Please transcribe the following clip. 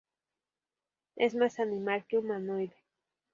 Es más animal que humanoide.